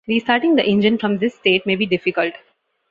Restarting the engine from this state may be difficult.